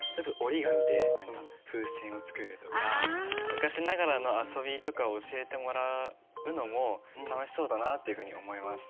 昔ながらの遊びとかを教えてもらうのも楽しそうだなっていうふうに思います。